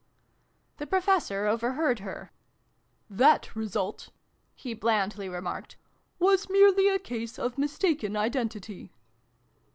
The Professor overheard her. " That result," he blandly remarked, " was merely a case of mistaken identity."